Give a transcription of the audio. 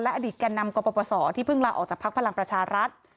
อดีตแก่นำกรปศที่เพิ่งลาออกจากภักดิ์พลังประชารัฐ